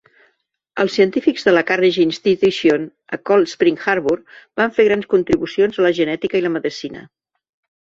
Els científics de la Carnegie Institution a Cold Spring Harbor va fer grans contribucions a la genètica i la medicina.